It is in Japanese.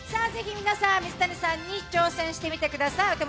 ぜひ皆さん、水谷さんに挑戦してみてください。